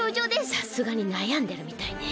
さすがになやんでるみたいね。